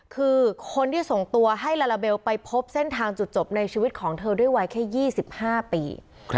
คือคนที่ส่งตัวให้ลาลาเบลไปพบเส้นทางจุดจบในชีวิตของเธอด้วยวัยแค่๒๕ปี